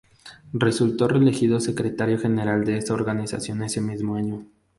Resultó reelegido secretario general de esa organización ese mismo año.